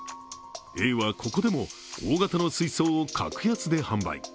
Ａはここでも大型の水槽を格安で販売。